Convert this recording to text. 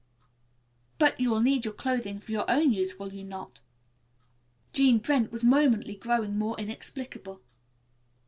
"But you will need your clothing for your own use, will you not?" Jean Brent was momently growing more inexplicable.